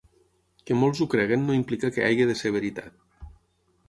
Que molts ho creguin no implica que hagi de ser veritat.